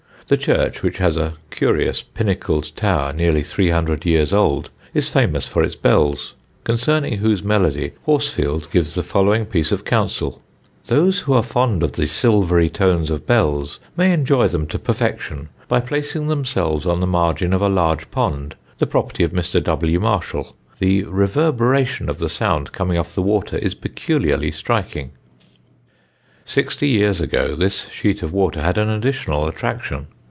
The church, which has a curious pinnacled tower nearly 300 years old, is famous for its bells, concerning whose melody Horsfield gives the following piece of counsel: "Those who are fond of the silvery tones of bells, may enjoy them to perfection, by placing themselves on the margin of a large pond, the property of Mr. W. Marshall; the reverberation of the sound, coming off the water, is peculiarly striking." Sixty years ago this sheet of water had an additional attraction.